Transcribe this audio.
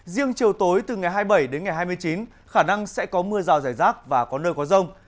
riêng chiều tối từ ngày hai mươi bảy đến ngày hai mươi chín khả năng sẽ có mưa rào rải rác và có nơi có rông